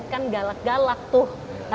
kan galak galak tuh